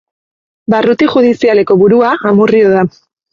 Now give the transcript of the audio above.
Barruti judizialeko burua Amurrio da.